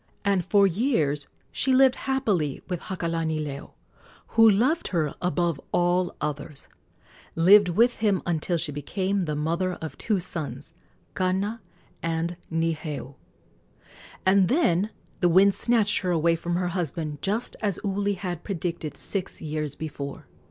And for years she lived happily with Hakalanileo, who loved her above all others lived with him until she became the mother of two sons, Kana and Niheu; and then the winds snatched her away from her husband, just as Uli had predicted six years before.